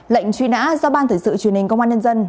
lệnh truy nã do ban thể sự truyền hình công an nhân dân